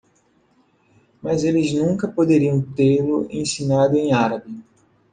Mas eles nunca poderiam tê-lo ensinado em árabe.